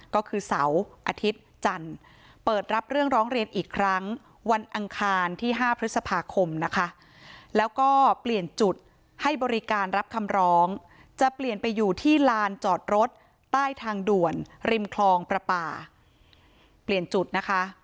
ก็คือเสาร์อาทิตย์จันทร์เปิดรับเรื่องร้องเรียนอีกครั้งวันอังคารที่๕พฤษภาคมนะคะแล้วก็เปลี่ยนจุดให้บริการรับคำร้องจะเปลี่ยนไปอยู่ที่ลานจอดรถใต้ทางด่วนริมคลองประปาเปลี่ยนจุดนะคะ